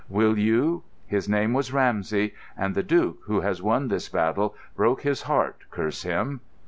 Will you? His name was Ramsey; and the Duke, who has won this battle, broke his heart, curse him!"